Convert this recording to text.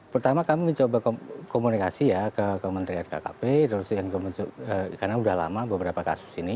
pertama kami mencoba komunikasi ya ke kementerian kkp karena sudah lama beberapa kasus ini